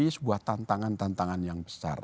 ini sebuah tantangan tantangan yang besar